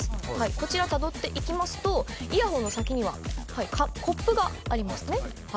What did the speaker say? こちらたどっていきますとイヤホンの先にはコップがありますね？